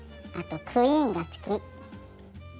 あとクイーンが好き。